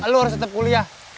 lu harus tetep kuliah